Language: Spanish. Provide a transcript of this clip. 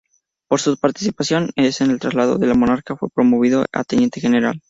Por su participación en el traslado del monarca, fue promovido a teniente general.